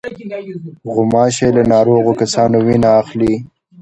غوماشې له ناروغو کسانو وینه اخلي.